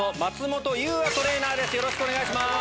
よろしくお願いします。